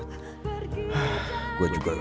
hah gue juga gak pegang uang lagi